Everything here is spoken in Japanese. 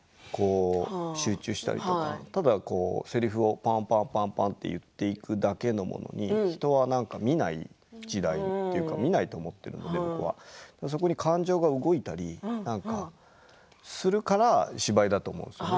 集中したりとか、ただせりふをぱんぱんぱんと言っていくだけのものに人は見ない時代というか見ないと思っているので僕はそこに感情が動いたりするから芝居だと思うんですね。